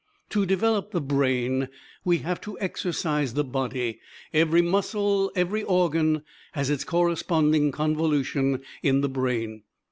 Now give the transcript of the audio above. To develop the brain we have to exercise the body. Every muscle, every organ, has its corresponding convolution in the brain.